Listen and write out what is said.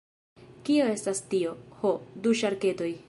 Kio estas tio? Ho, du ŝarketoj.